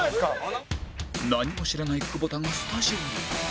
何も知らない久保田がスタジオに